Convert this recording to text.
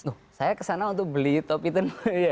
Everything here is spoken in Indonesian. duh saya kesana untuk beli topi tenun ya